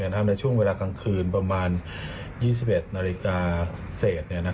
ในช่วงเวลากลางคืนประมาณ๒๑นาฬิกาเศษ